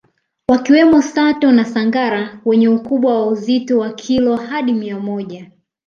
Wakiwemo Sato na Sangara wenye ukubwa wa uzito wa kilo hadi mia moja